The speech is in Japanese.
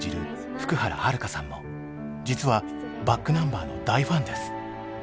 福原遥さんも実はｂａｃｋｎｕｍｂｅｒの大ファンです。